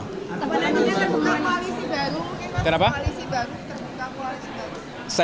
bagaimana menurut anda terbuka koalisi baru